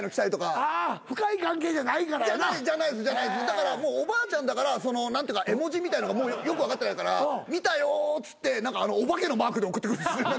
だからもうおばあちゃんだから絵文字みたいのがよく分かってないから「見たよ」っつってお化けのマークで送ってくる。